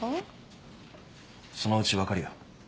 そのうち分かるよ。